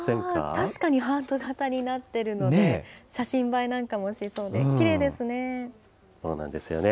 確かにハート形になっているので、写真映えなんかもしそうで、そうなんですよね。